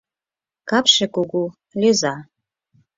Капше кугу, лӧза.